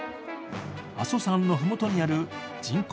阿蘇山の麓にある人口